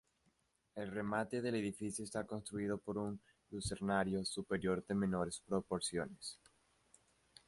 El remate del edificio está construido por un lucernario superior de menores proporciones.